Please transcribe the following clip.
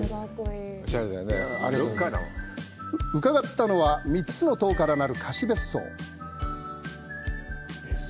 伺ったのは３つの棟からなる貸し別荘。